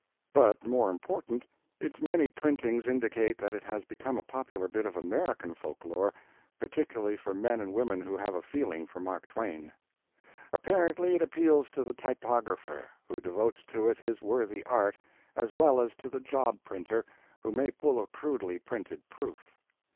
But more important, its many printings indicate that it has become a popular bit of American folklore, particularly for men and women who have a feeling for Mark Twain. Apparently it appeals to the typographer, who devotes to it his worthy art, as well as to the job printer, who may pull a crudely printed proof.